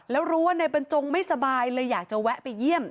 แล้วรู้ว่านายบรรจงไม่สบายเลยอยากจะแวะไปเยี่ยม